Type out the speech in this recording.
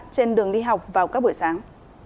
trên đường đi học vào các buổi sáng